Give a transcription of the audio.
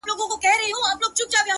اوس هره شپه خوب کي بلا وينمه ـ